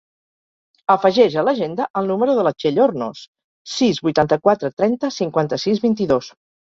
Afegeix a l'agenda el número de la Txell Hornos: sis, vuitanta-quatre, trenta, cinquanta-sis, vint-i-dos.